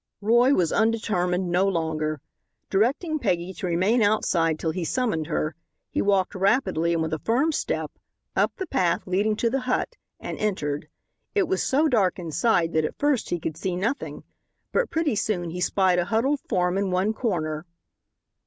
Roy was undetermined no longer. Directing Peggy to remain outside till he summoned her, he walked rapidly, and with a firm step, up the path leading to the hut, and entered. It was so dark inside that at first he could see nothing. But pretty soon he spied a huddled form in one corner.